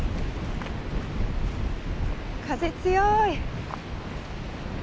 風強い。